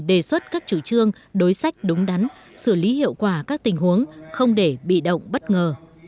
đề xuất các chủ trương đối sách đúng đắn xử lý hiệu quả các tình huống không để bị động bất ngờ